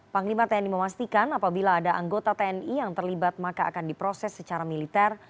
panglima tni memastikan apabila ada anggota tni yang terlibat maka akan diproses secara militer